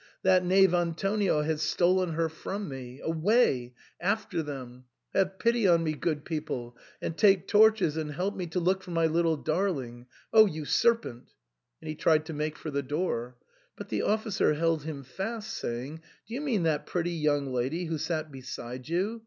That knave Antonio has stolen her from me. Away ! after them ! Have pity on me, good people, and take torches and help me to look for my little darling. Oh ! you serpent !" And he tried to make for the door. But the ofl&cer held him fast, saying, " Do you mean that pretty young lady who sat beside you